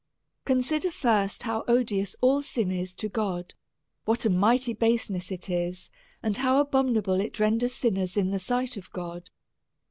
Consider first, how odious all sin is to God, what a mighty baser ness it is, and how abominable it renders sinners in the sight of God.